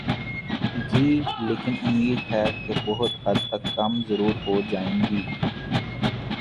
گی لیکن امید ہے کہ بہت حد تک کم ضرور ہو جائیں گی۔